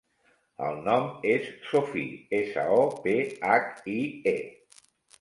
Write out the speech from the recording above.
El nom és Sophie: essa, o, pe, hac, i, e.